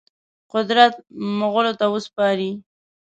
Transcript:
قدرت مغولو ته وسپاري.